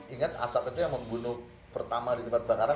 ingat asap itu yang membunuh pertama di tempat bakaran